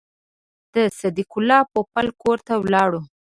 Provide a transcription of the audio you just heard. د صدیق الله پوپل کور ته ولاړو.